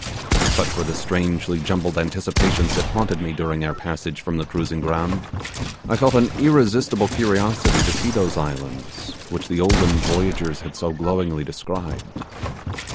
Such were the strangely jumbled anticipations that haunted me during our passage from the cruising ground. I felt an irresistible curiosity to see those islands which the olden voyagers had so glowingly described.